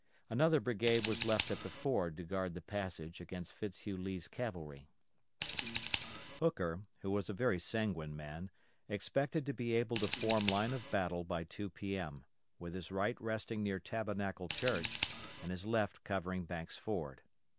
Another brigade was left at the Ford to guard the passage against Fitz Hugh Lee's cavalry. Hooker, who was a very sanguine man, expected to be able to form line of battle by 2 P.M., with his right resting near Tabernacle Church, and his left covering Banks' Ford.